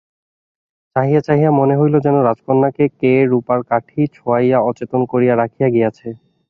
চাহিয়া চাহিয়া মনে হইল যেন রাজকন্যাকে কে রূপার কাঠি ছোঁয়াইয়া অচেতন করিয়া রাখিয়া গিয়াছে।